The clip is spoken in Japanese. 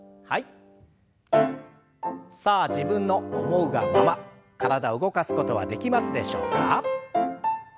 さあ自分の思うがまま体動かすことはできますでしょうか。